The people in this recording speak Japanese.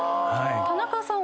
田中さん